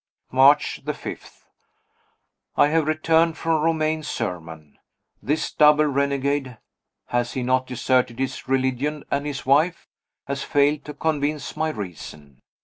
March 5. I have returned from Romayne's sermon. This double renegade has he not deserted his religion and his wife? has failed to convince my reason.